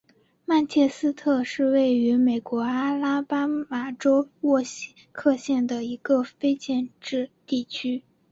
曼彻斯特是位于美国阿拉巴马州沃克县的一个非建制地区。